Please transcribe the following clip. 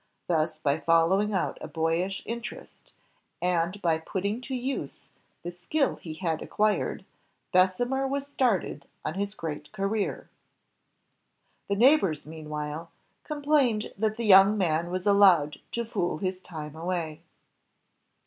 Thus by following out a boyish interest, and by putting to use the skill he had acquired, Bessemer was started on his great career. The neighbors, meanwhile, complained that the young man was allowed to fool his time away.